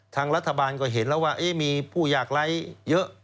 ทางรัฐบาลก็เห็นแล้วว่ามีผู้อยากไร้เยอะ